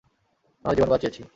ওনার জীবন বাঁচিয়েছি।